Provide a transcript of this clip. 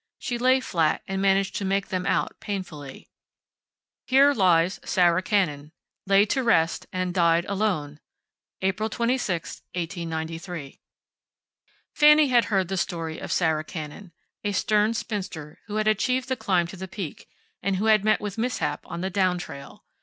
She lay flat and managed to make them out painfully. "Here lies Sarah Cannon. Lay to rest, and died alone, April 26, 1893." Fanny had heard the story of Sarah Cannon, a stern spinster who had achieved the climb to the Peak, and who had met with mishap on the down trail.